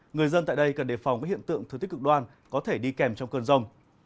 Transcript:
người dân tại đây cần đề phòng các hiện tượng thừa tích cực đoan có thể đi kèm trong cơn rông